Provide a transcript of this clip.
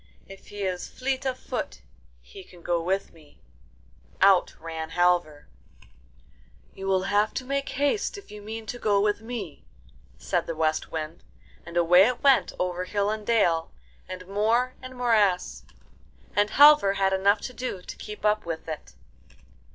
If he is fleet of foot he can go with me.' Out ran Halvor. 'You will have to make haste if you mean to go with me,' said the West Wind; and away it went over hill and dale, and moor and morass, and Halvor had enough to do to keep up with it.